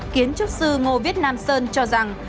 kiến trúc sư ngô việt nam sơn cho rằng